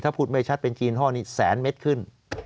ถ้าพูดไม่ชัดเป็นจีนห้อนี้แสนเมตรขึ้น